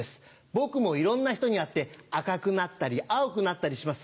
僕もいろんな人に会って赤くなったり青くなったりします。